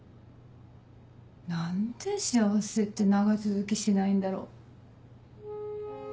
何で幸せって長続きしないんだろ。